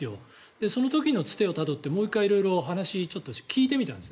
その時のつてをたどってもう１回、聞いてみたんですね。